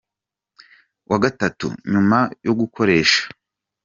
wa gatatu nyuma yo gukoresha